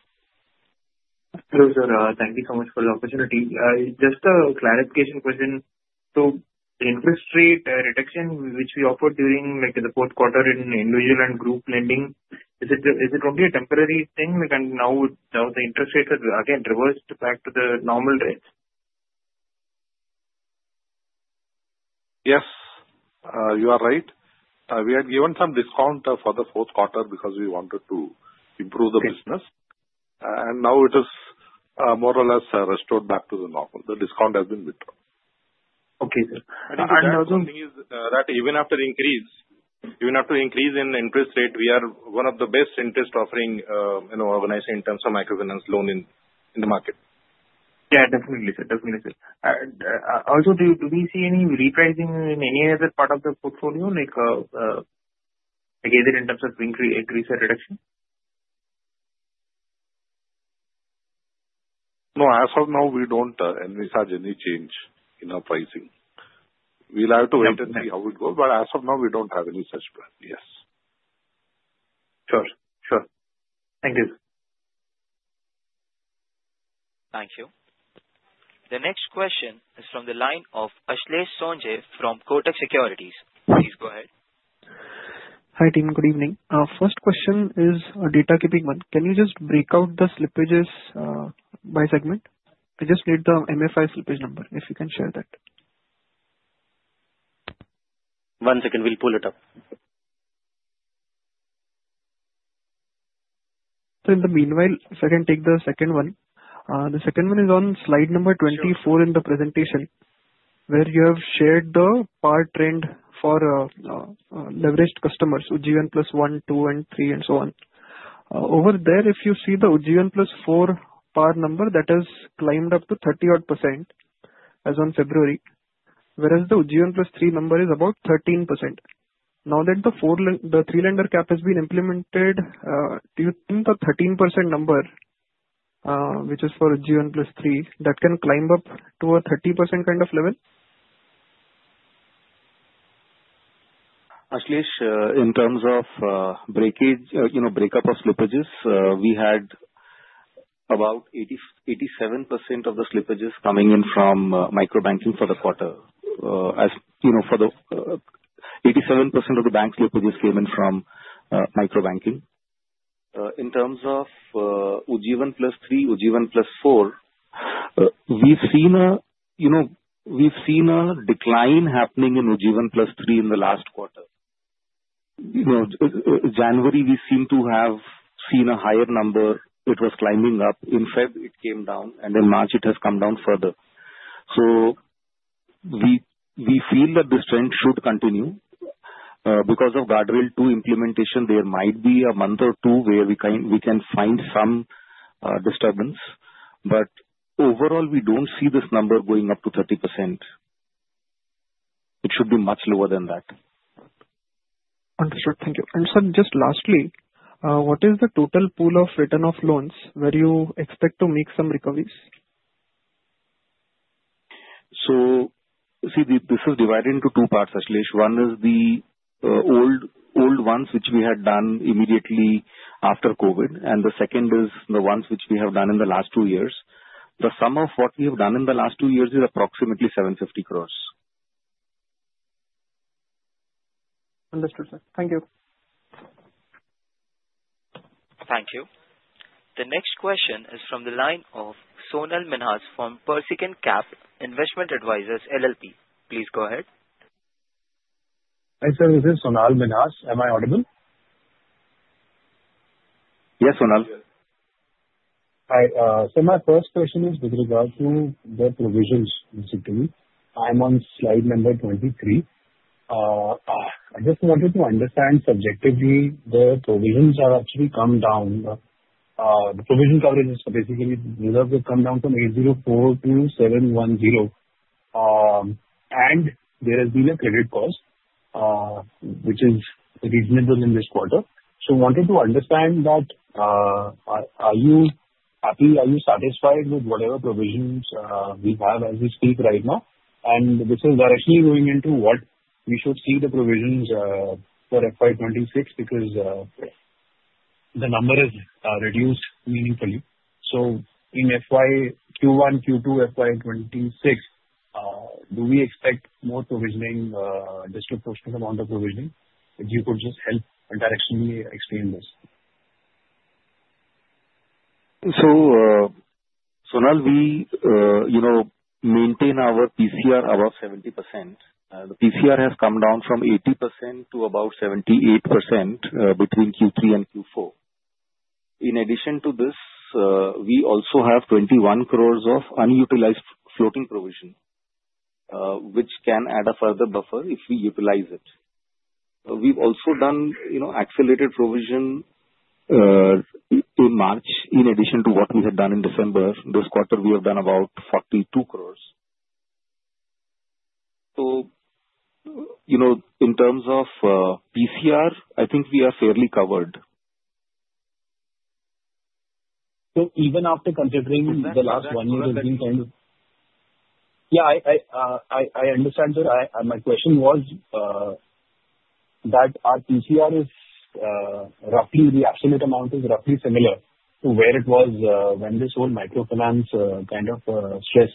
Hello sir. Thank you so much for the opportunity. Just a clarification question. The interest rate reduction which we offered during the fourth quarter in individual and group lending, is it only a temporary thing? And now the interest rate has again reversed back to the normal rate? Yes, you are right. We had given some discount for the fourth quarter because we wanted to improve the business and now it is more or less restored back to the normal. The discount has been withdrawn. Okay. That even after increase. Even after increase in interest rate we are one of the best interest offering, you know, organized in terms of microfinance loan in the market. Yeah, definitely. Also do we see any repricing in any other part of the portfolio like in terms of increase reduction? No, as of now we do not envisage any change in our pricing. We will have to wait and see how it goes. As of now we do not have any such plan. Yes, sure, sure. Thank you. Thank you. The next question is from the line of Ashlesh Sonje from Kotak Securities. Please go ahead. Hi team, good evening. Our first question is a data keeping one. Can you just break out the slippages by segment? I just need the MFI slippage number. If you can share that one second we will pull it up. In the meanwhile, if I can take the second one. The second one is on slide number 24 in the presentation where you have shared the PAR trend for leveraged customers UGN +1, 2 and 3 and so on. Over there, if you see the OG1 +4 PAR number, that has climbed up to 30% as on February. Whereas the OG1+3 number is about 13% now that the 3 lender cap has been implemented. In the 13% number, which is for G1+3, that can climb up to a 30% kind of level. Ashlesh, in terms of breakage, you know, breakup of slippages, we had about 87% of the slippages coming in from micro banking for the quarter. As you know, for the 87% of the bank slippages came in from micro banking. In terms of OG1+3, UG1+4, we've seen, you know, we've seen a decline happening in OG1+3. In the last quarter, January, we seem to have seen a higher number. It was climbing up. In February it came down, and in March it has come down further. We feel that this trend should continue. Because of Guardrail 2 implementation there might be a month or two where we can, we can find some disturbance, but overall we do not see this number going up to 30%. It should be much lower than that. Understood, thank you. Sir, just lastly, what is the total pool of return of loans where you expect to make some recoveries? See, this is divided into two parts, Ashlesh. One is the old ones which we had done immediately after Covid, and the second is the ones which we have done in the last two years. The sum of what we have done in the last two years is approximately 750 crore. Understood, sir. Thank you. Thank you. The next question is from the line of Sonal Minhas from Persistence Capital Investment Advisors LLP. Please go ahead. Hi sir, this is Sonal Minhas. Am I audible? Yes, Sonal. Hi. My first question is with regard to the provisions. Basically I'm on slide number 23. I just wanted to understand subjectively the provisions have actually come down. The provision coverage is basically reserves have come down from 804 million to 710 million and there has been a credit cost which is reasonable in this quarter. Wanted to understand that. Are you happy? Are you satisfied with whatever provisions we have as we speak right now? This is directly going into what we should see the provisions for FY 2026 because the number is reduced meaningfully. In FY Q1, Q2, FY 2026, do we expect more provisioning district posted amount of provisioning? If you could just help directionally explain this. Now we, you know, maintain our PCR above 70%. The PCR has come down from 80% to about 78% between Q3 and Q4. In addition to this we also have 21 crore of unutilized floating provision which can add a further buffer if we utilize it. We've also done, you know, accelerated provision in March in addition to what we had done in December. This quarter we have done about 42 crore. You know, in terms of PCR I think we are fairly covered. Even after considering the last one year has been kind of. Yeah, I understand sir. My question was that our PCR is roughly. The absolute amount is roughly similar to where it was when this whole microfinance kind of stress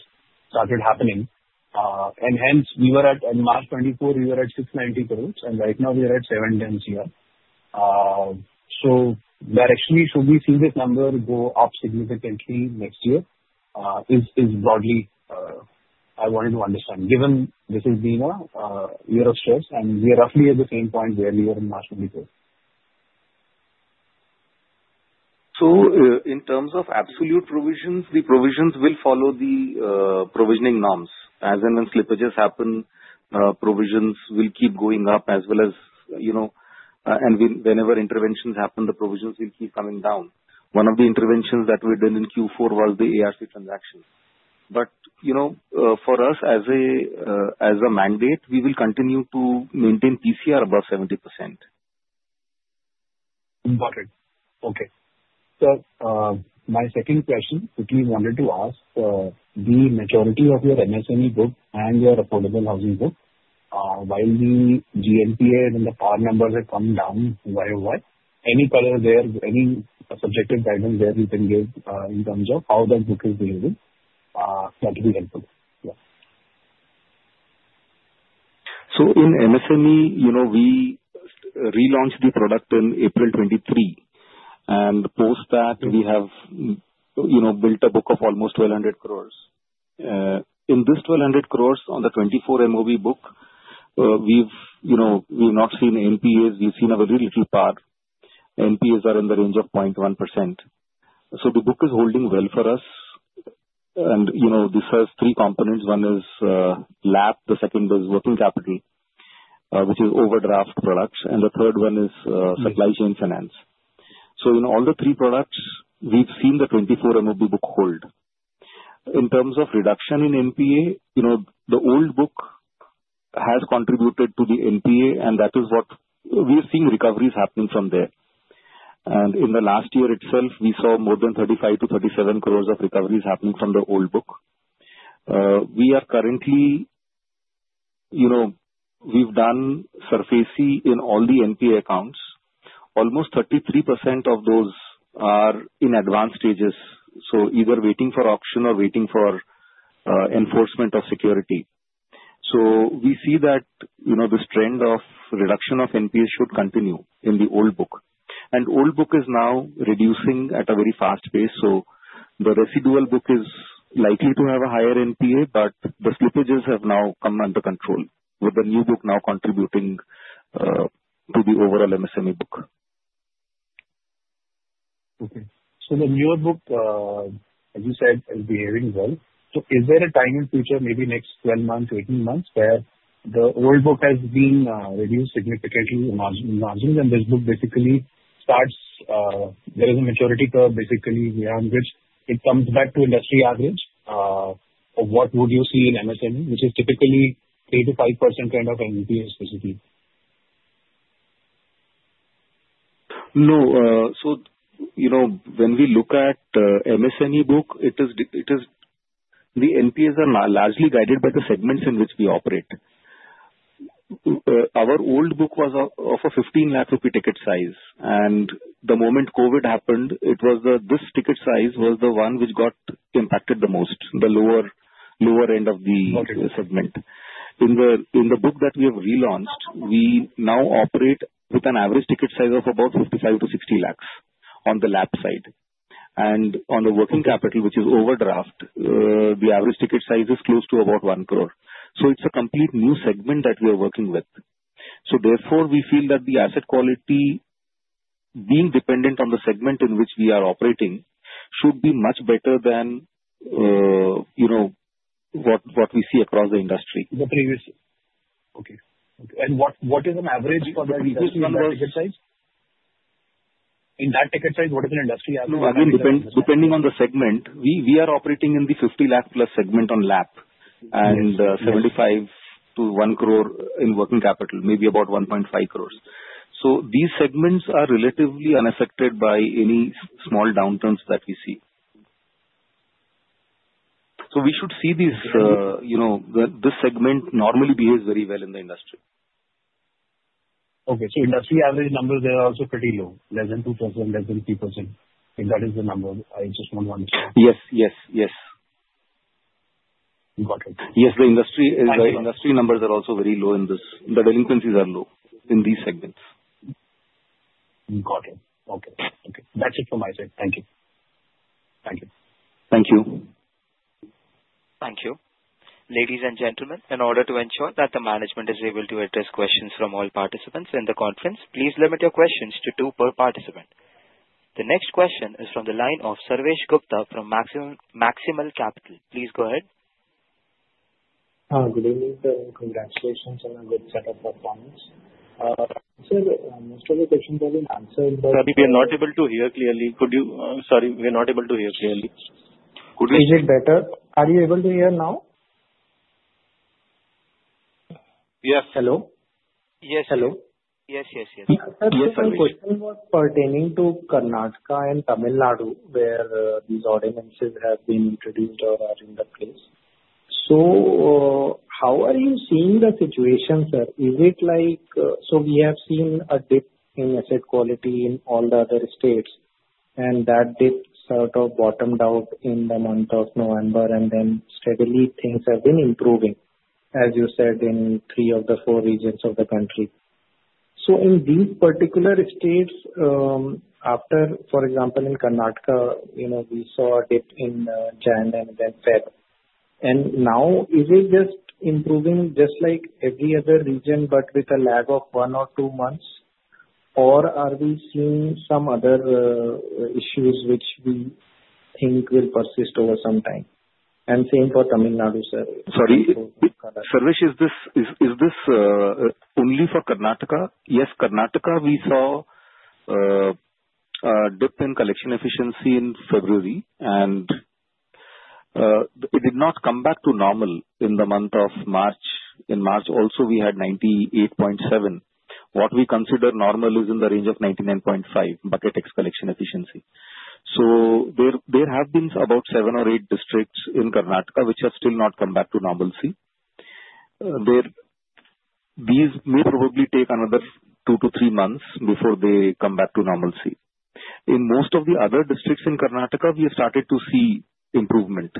started happening and hence we were at March 2024, we were at 690 crore and right now we are at 710 crore. Directionally, should we see this number go up significantly next year is broadly I wanted to understand given this has been a year of stress and we are roughly at the same point where we were in March 2023. In terms of absolute provisions, the provisions will follow the provisioning norms. As and when slippages happen, provisions will keep going up as well as you know, and whenever interventions happen, the provisions will keep coming down. One of the interventions that we did in Q4 was the ARC transaction. You know, for us as a mandate, we will continue to maintain PCR above 70%. Got it. Okay. My second question, quickly wanted to ask the maturity of your MSME book and your affordable housing book. While the GNPA and the PAR numbers have come down. Y o y any color there, any subjective guidance there you can give in terms of how that book is delivered that will be helpful. Yeah. In MSME we relaunched the product in April 2023 and post that we have built a book of almost 1,200 crore. In this 1,200 crore on the 24 MOV book we have not seen NPAs, we have seen very little PAR. NPAs are in the range of 0.1%. The book is holding well for us. You know, this has three components. One is LAP, the second is working capital which is overdraft products, and the third one is supply chain finance. In all the three products we have seen the 24 MOV book hold in terms of reduction in NPA. You know, the old book has contributed to the NPA and that is what we are seeing recoveries happening from there. In the last year itself we saw more than 35-37 crore of recoveries happening from the old book. We are currently, you know, we've done SARFAESI in all the NPA accounts. Almost 33% of those are in advanced stages, either waiting for auction or waiting for enforcement of security. We see that, you know, this trend of reduction of NPA should continue in the old book. The old book is now reducing at a very fast pace. The residual book is likely to have a higher NPA, but the slippages have now come under control with the new book now contributing to the overall MSME book. Okay, the newer book as you said is behaving well. Is there a time in future, maybe next 12 months, 18 months, where the old book has been reduced significantly, margins, and this book basically starts. There is a maturity curve basically which it comes back to industry average. What would you see in MSME which is typically 3-5% trend of MVPA specifically. No. So you know, when we look at MSME book, it is. It is. The NPAs are largely guided by the segments in which we operate. Our old book was of a 1,500,000 rupee ticket size. And the moment Covid happened, it was this ticket size was the one which got impacted the most. The lower end of the segment in the book that we have relaunched, we now operate with an average ticket size of about 5,500,000-6,000,000. On the LAP side and on the working capital which is overdraft, the average ticket size is close to about 10,000,000. It is a complete new segment that we are working with. Therefore, we feel that the asset quality being dependent on the segment in which we are operating should be much better than, you know, what we see across the industry the previous. Okay, and what is an average in that ticket size? What is an industry? Depending on the segment, we are operating in the 5 million plus segment on LAP and 7.5 million-10 million in working capital, maybe about 15 million. These segments are relatively unaffected by any small downturns that we see. We should see these, you know, this segment normally behaves very well in the industry. Okay, so industry average numbers, they are also pretty low. Less than two percent, less than three percent. If that is the number, I just want to understand. Yes, yes, yes, yes. The industry numbers are also very low in this. The delinquencies are low in these segments. Got it? Okay. Okay. That's it for my side. Thank you. Thank you. Thank you. Thank you. Ladies and gentlemen, in order to ensure that the management is able to address questions from all participants in the conference, please limit your questions to two per participation. The next question is from the line of Sarvesh Gupta from Maximal Capital. Please go ahead. Congratulations on a good set of performance. We are not able to hear clearly. Could you. Sorry, we are not able to hear clearly. Is it better? Are you able to hear now? Yes. Hello. Yes, hello. Yes. Yes. Pertaining to Karnataka and Tamil Nadu where these ordinances have been introduced or are in the place. How are you seeing the situation, sir? Is it like. We have seen a dip in asset quality in all the other states and that dip sort of bottomed out in the month of November. Then steadily things have been improving, as you said, in three of the four regions of the country. In these particular states, after, for example, in Karnataka, you know, we saw it in January and then February. Now is it just improving just like every other region but with a lag of one or two months, or are we seeing some other issues which we think will persist over some time? Same for Tamil Nadu. Sir, sorry, Sarvesh, is this only for Karnataka? Yes, Karnataka. We saw dip in collection efficiency in February and it did not come back to normal in the month of March. In March also we had 98.7%. What we consider normal is in the range of 99.5% bucket tax collection efficiency. There have been about seven or eight districts in Karnataka which have still not come back to normalcy. These may probably take another two to three months before they come back to normalcy. In most of the other districts in Karnataka, we have started to see improvement.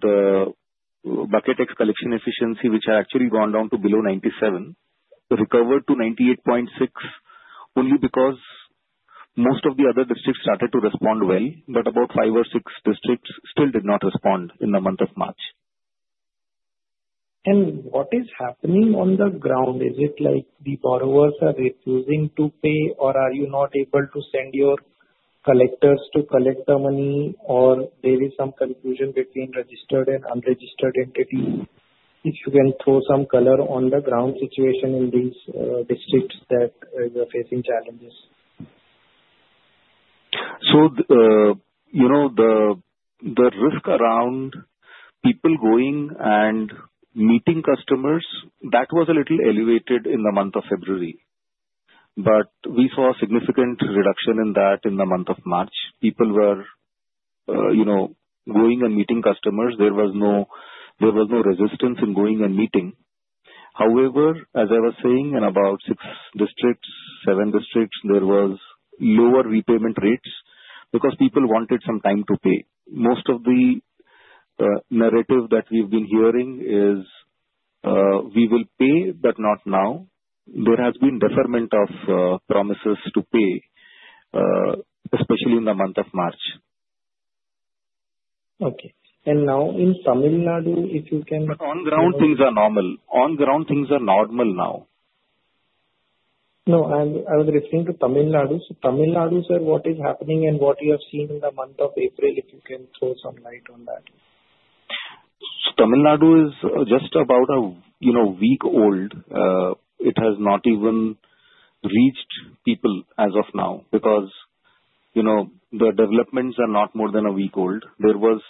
The bucket tax collection efficiency, which has actually gone down to below 97%, recovered to 98.6% only because most of the other districts started to respond well. About five or six districts still did not respond in the month of March. What is happening on the ground? Is it like the borrowers are refusing to pay or are you not able to send your collectors to collect the money? Or is there some confusion between registered and unregistered entities? If you can throw some color on the ground situation in these districts that facing challenges. You know, the risk around people going and meeting customers, that was a little elevated in the month of February, but we saw significant reduction in that in the month of March. People were, you know, going and meeting customers. There was no, there was no resistance in going and meeting. However, as I was saying, in about six districts, seven districts, there was lower repayment rates because people wanted some time to pay. Most of the narrative that we've been hearing is we will pay, but not now. There has been deferment of promises to pay, especially in the month of March. Okay. Now in Tamil Nadu, if you can, on ground, things are normal. On ground, things are normal now. No, I was referring to Tamil Nadu. Tamil Nadu, sir, what is happening and what you have seen in the month of April, if you can throw some light on that, Tamil Nadu is just about a, you know, week old. It has not even reached people as of now because, you know, the developments are not more than a week old. There was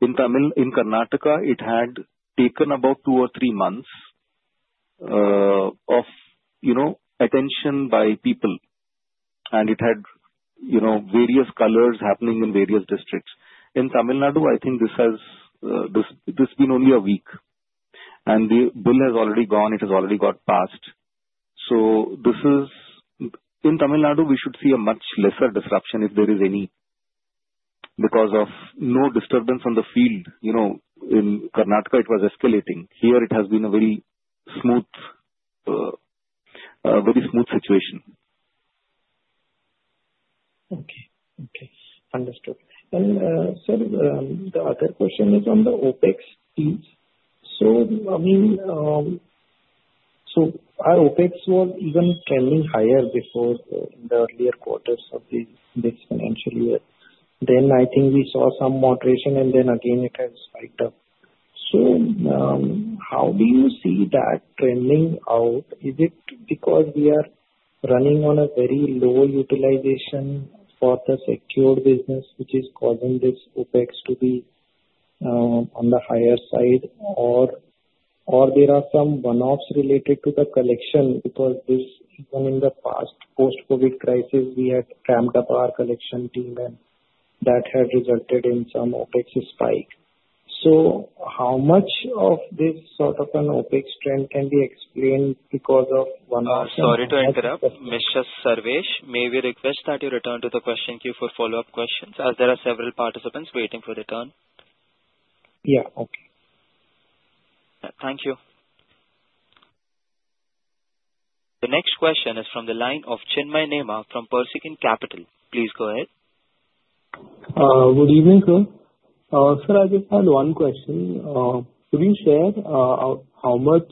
in Tamil, in Karnataka, it had taken about two or three months of, you know, attention by people and it had, you know, various colors happening in various districts. In Tamil Nadu, I think this has been only a week and the bill has already gone. It has already got passed. This is in Tamil Nadu. We should see a much lesser disruption if there is any because of no disturbance on the field. You know, in Karnataka it was escalating. Here it has been a very smooth, very smooth situation. Understood. Sir, the other question is on the opEx. I mean, our opEx was even trending higher before in the earlier quarters of this financial year. I think we saw some moderation and it has spiked up again. How do you see that trending out? Is it because we are running on a very low utilization for the secured business which is causing this opEx to be on the higher side? There are some one-offs related to the collection? Even in the past, post Covid crisis, we had ramped up our collection team and that had resulted in some opEx spike. How much of this sort of an opEx trend can be explained because of one. Sorry to interrupt. Mr. Sarvesh, may we request that you return to the question? Thank you for follow up questions as there are several participants waiting for the turn. Yeah, okay, thank you. The next question is from the line of Chinmay Nema from Persistence Capital. Please go ahead. Good evening, sir. Sir, I just had one question. Could you share how much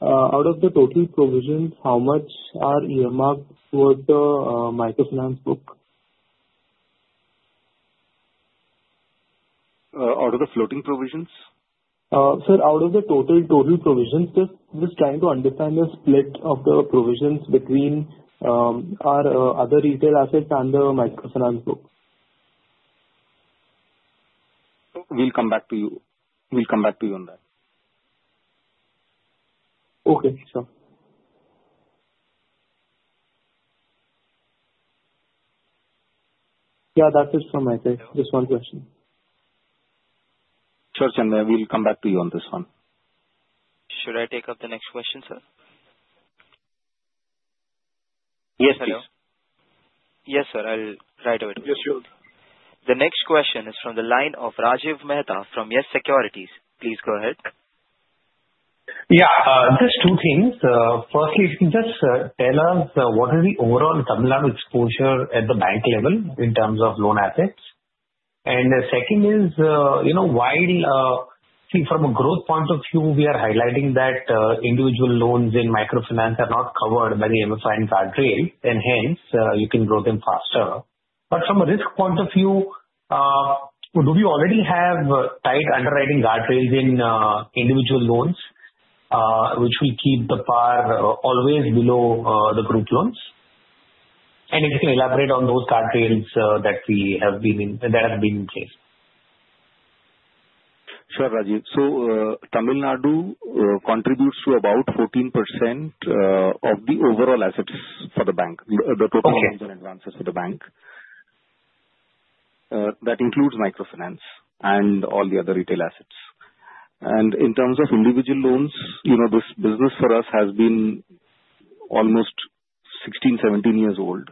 out of the total provision, how much are earmarked the microfinance book? Out of the floating provisions? Sir, out of the total, total provisions. Just trying to understand the split of the provisions between our other retail assets under microfinance book. We'll come back to you. We'll come back to you on that. Okay, that is from my side this one question. Sure, Chandra, we will come back to you on this one. Should I take up the next question, sir? Yes, yes, sir, I'll write a video. The next question is from the line of Rajiv Mehta from Yes Securities. Please go ahead. Yeah, just two things. Firstly, if you just tell us what is the overall Tamil Nadu exposure at the bank level in terms of loan assets. And the second is, you know, while from a growth point of view we are highlighting that individual loans in microfinance are not covered by the MFI and guardrail and hence you can grow them faster. But from a risk point of view, do we already have tight underwriting guardrails in individual loans which will keep the PAR always below the group loans? And if you can elaborate on those guardrails that we have been, that have been in place. Sure, Rajiv. Tamil Nadu contributes to about 14% of the overall assets for the bank. The total loans and advances for the bank. That includes Microfinance and all the other retail assets. In terms of individual loans, you know, this business for us has been almost 16-17 years old.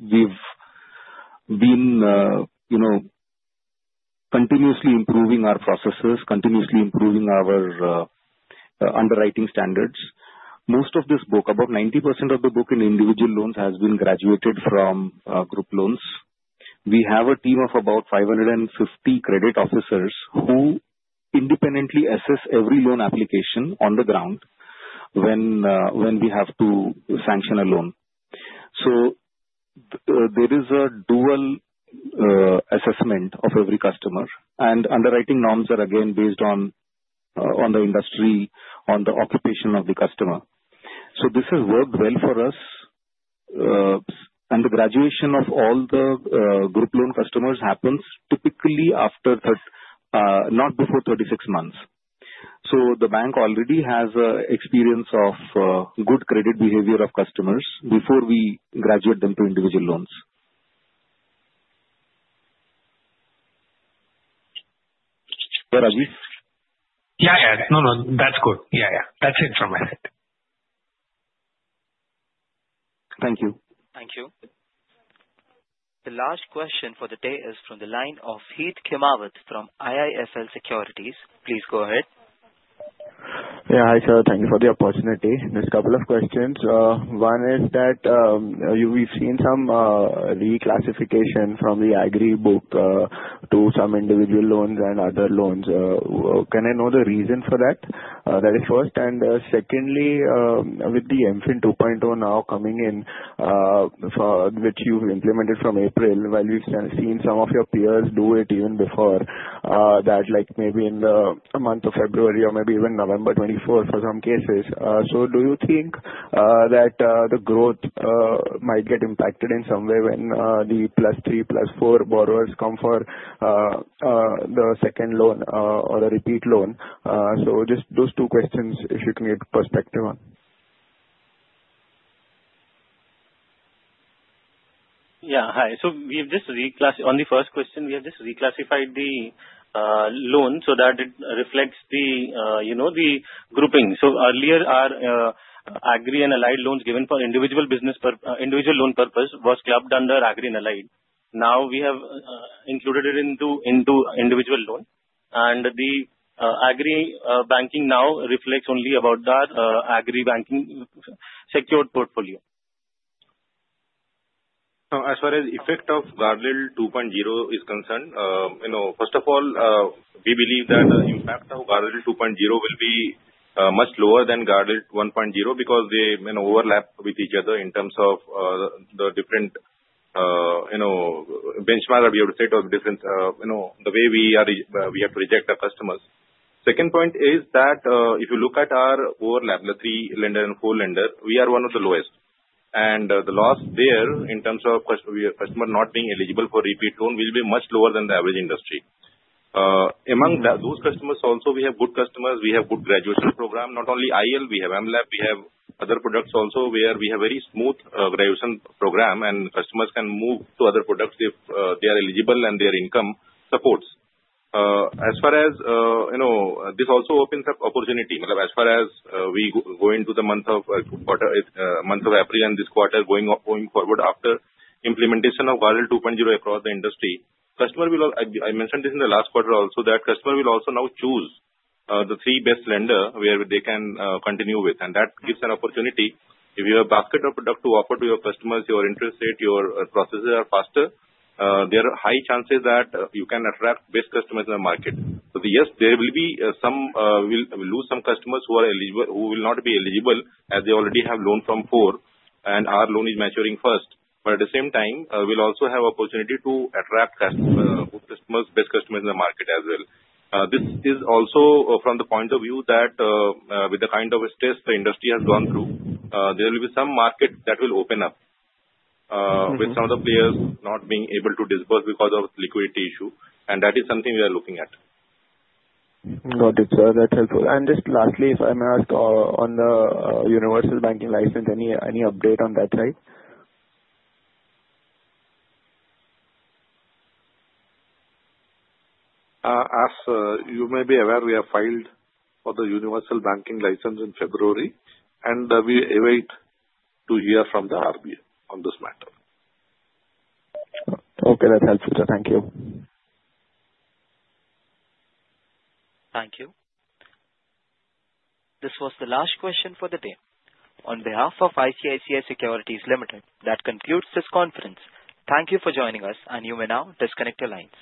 We've been, you know, continuously improving our processes, continuously improving our underwriting standards. Most of this book, about 90% of the book in individual loans, has been graduated from group loans. We have a team of about 550 credit officers who independently assess every loan application on the ground when we have to sanction a loan. There is a dual assessment of every customer and underwriting norms are again based on the industry, on the occupation of the customer. This has worked well for us. The graduation of all the group loan customers happens typically after, not before, 36 months. The bank already has experience of good credit behavior of customers before we graduate them to individual loans. Yeah, yeah, no, no, that's good. Yeah, yeah, that's it from my head. Thank you. Thank you. The last question for the day is from the line of Heet Khimawat from IIFL Securities. Please go ahead. Yeah, hi, sir, thank you for the opportunity. There's a couple of questions. One is that we've seen some reclassification from the agri book to some individual loans and other loans. Can I know the reason for that? That is first and secondly, with the MFIN 2.0 now coming in, which you've implemented from April, while we've seen some of your peers do it even before that, like maybe in the month of February or maybe even November 24 for some cases. Do you think that the growth might get impacted in some way when the plus three, plus four borrowers come for the second loan or the repeat loan? Just those two questions if you can get perspective on. Yeah, hi. We have just reclassified, on the first question, we have just reclassified the loan so that it reflects the, you know, the grouping. Earlier our agri and allied loans given for individual business, individual loan purpose was clubbed under agri and allied. Now we have included it into individual loan and the Agri Banking now reflects only about that Agri Banking secured portfolio. Now, as far as effect of Guardrail 2.0 is concerned, you know, first of all, we believe that the impact of Guardrail 2.0 will be much lower than Guardrail 1.0 because they overlap with each other in terms of the different, you know, benchmark. We have to say to the difference, you know, the way we are, we have to reject our customers. Second point is that if you look at our overlap, the 3 lender and 4 lender, we are one of the lowest, and the loss there in terms of customer not being eligible for repeat tone will be much lower than the average industry among those customers. Also, we have good customers. We have good graduation program. Not only IL, we have M Lab, we have other products also where we have very smooth graduation program and customers can move to other products if they are eligible and their income supports. As far as you know, this also opens up opportunity as far as we go into the month of April and this quarter going forward after implementation of Guardrail 2.0 across the industry. Customer will, I mentioned this in the last quarter also, that customer will also now choose the three best lender where they can continue with and that gives an opportunity. If you have basket of product to offer to your customers, your interest rate, your processes are faster, there are high chances that you can attract best customers in the market. Yes, we will lose some customers who are not eligible as they already have loan from four and our loan is maturing first. At the same time, we will also have opportunity to attract best customers in the market as well. This is also from the point of view that with the kind of stress the industry has gone through, there will be some market that will open up with some of the players not being able to disburse because of liquidity issue. That is something we are looking at. Got it sir. That's helpful. Just lastly if I may ask, on the Universal Banking License, any update on that side. As you may be aware, we have filed for the Universal Banking License in February and we await to hear from the RBI on this matter. Okay, that helps you, sir. Thank you. Thank you. This was the last question for the day on behalf of ICICI Securities Limited that concludes this conference. Thank you for joining us and you may now disconnect your lines.